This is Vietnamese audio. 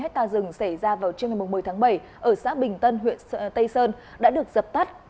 hết tà rừng xảy ra vào chiều ngày một mươi tháng bảy ở xã bình tân huyện tây sơn đã được dập tắt